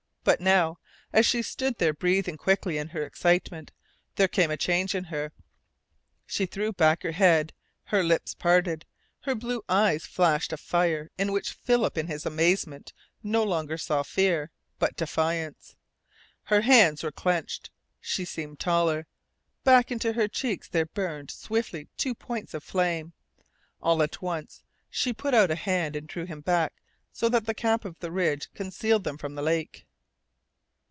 But now, as she stood there breathing quickly in her excitement, there came a change in her. She threw back her head. Her lips parted. Her blue eyes flashed a fire in which Philip in his amazement no longer saw fear, but defiance. Her hands were clenched. She seemed taller. Back into her cheeks there burned swiftly two points of flame. All at once she put out a hand and drew him back, so that the cap of the ridge concealed them from the lake.